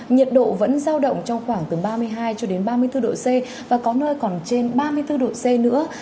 nhiệt độ vẫn giao động trong khoảng từ ba mươi hai cho đến ba mươi bốn độ c và có nơi còn trên ba mươi bốn độ c nữa